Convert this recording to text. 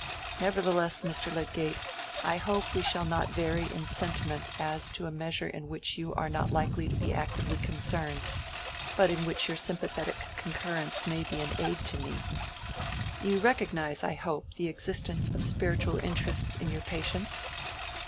Nevertheless, Mr. Lydgate, I hope we shall not vary in sentiment as to a measure in which you are not likely to be actively concerned, but in which your sympathetic concurrence may be an aid to me. You recognize, I hope; the existence of spiritual interests in your patients?"